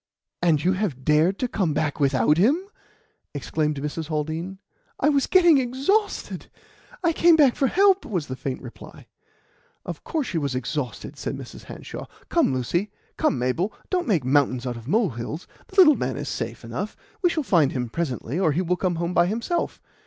"And you have dared to come back without him?" exclaimed Mrs. Haldean. "I was getting exhausted. I came back for help," was the faint reply. "Of course she was exhausted," said Mrs. Hanshaw. "Come, Lucy: come, Mabel; don't make mountains out of molehills. The little man is safe enough. We shall find him presently, or he will come home by himself.